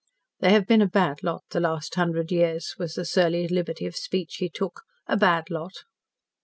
"They have been a bad lot, the last hundred years," was the surly liberty of speech he took, "a bad lot."